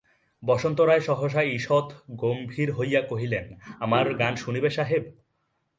বসন্ত রায় সহসা ঈষৎ গম্ভীর হইয়া কহিলেন, আমার গান শুনিবে সাহেব?